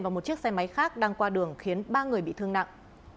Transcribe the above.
và một chiếc xe máy khác đang qua đường khiến ba người bị thương nặng